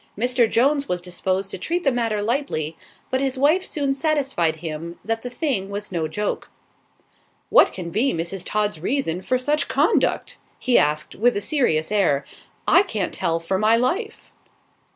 Mr. Jones was disposed to treat the matter lightly, but his wife soon satisfied him that the thing was no joke. "What can be Mrs. Todd's reason for such conduct?" he asked, with a serious air. "I can't tell, for my life."